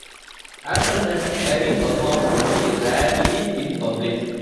After that, Curry performed only rarely in public.